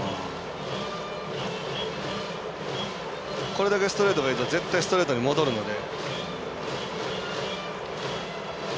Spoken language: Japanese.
これだけストレートがいいと絶対ストレートに戻るので。